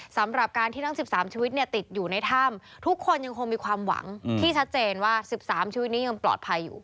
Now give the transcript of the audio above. สำหรับการที่ทั้ง๑๓ชีวิตติดอยู่ในถ้ำทุกคนยังคงมีความหวังที่ชัดเจนว่า๑๓ชีวิตนี้ยังปลอดภัยอยู่